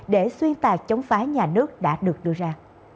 để xuyên tạc chống phá nhà nước đã được đưa ra